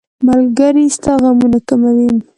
ملګری ستا غمونه کموي.